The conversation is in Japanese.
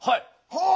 はあ！